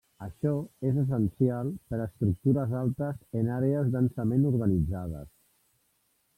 Això és essencial per a estructures altes en àrees densament urbanitzades.